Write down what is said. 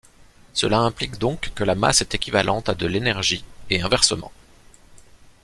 Cela implique donc que la masse est équivalente à de l'énergie et inversement.